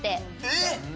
えっ！